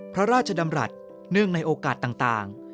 พระราชดำรัฐเนื่องในโอกาสต่าง